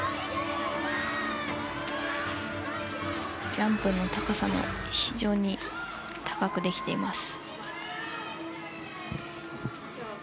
ジャンプの高さも非常に高くできています。